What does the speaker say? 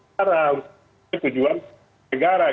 menaruh ke tujuan negara